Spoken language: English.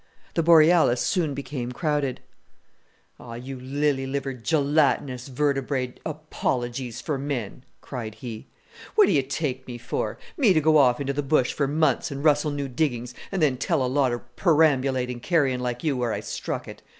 The Borealis soon became crowded. "Oh, you lily livered gelatinous vertibraed apologies for men!" cried he. "What do you take me for? Me to go off into the bush for months and rustle new diggings, and then tell a lot of perambulating carrion like you where I struck it!